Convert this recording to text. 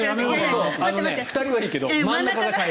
２人はいいけど真ん中が。